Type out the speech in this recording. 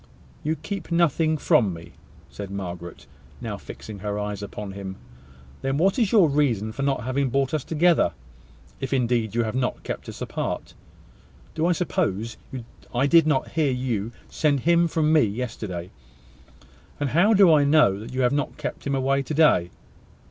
"You keep nothing from me!" said Margaret, now fixing her eyes upon him. "Then what is your reason for not having brought us together, if indeed you have not kept us apart? Do you suppose I did not hear you send him from me yesterday? And how do I know that you have not kept him away to day?"